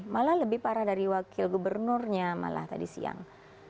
malah lebih parah dari wakil gubernurnya malah tadi siang